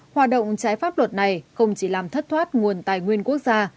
hoạt động trái pháp luật này không chỉ làm thất thoát nguồn tài nguyên quốc gia